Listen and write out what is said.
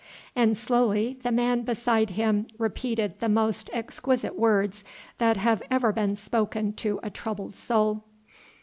And slowly the man beside him repeated the most exquisite words that have ever been spoken to a troubled soul.